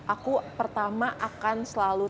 aku pertama akan selalu